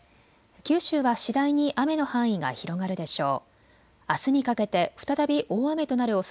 九州は次第に雨の範囲が広がるでしょう。